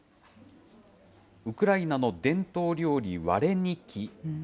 ウクライナの伝統料理、ワレニキ。